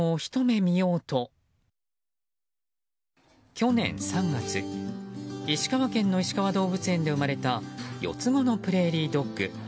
去年３月、石川県のいしかわ動物園で生まれた四つ子のプレーリードッグ。